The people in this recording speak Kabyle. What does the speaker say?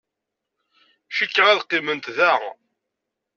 Cikkeɣ ad qqiment da.